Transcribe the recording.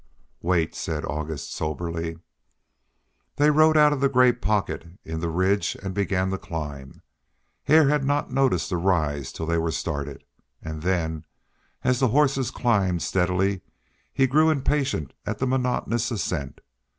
"Wait," said August, soberly. They rode out of the gray pocket in the ridge and began to climb. Hare had not noticed the rise till they were started, and then, as the horses climbed steadily he grew impatient at the monotonous ascent.